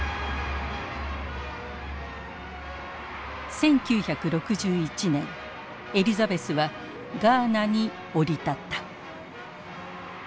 １９６１年エリザベスはガーナに降り立った。